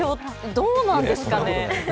どうなんですかね